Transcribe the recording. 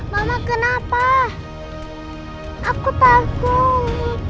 mama kenapa aku takut